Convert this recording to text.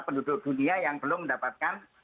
penduduk dunia yang belum mendapatkan